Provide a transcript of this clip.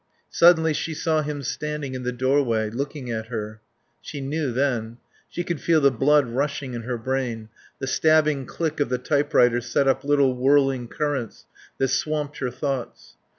Suddenly she saw him standing in the doorway, looking at her. She knew then. She could feel the blood rushing in her brain; the stabbing click of the typewriter set up little whirling currents that swamped her thoughts.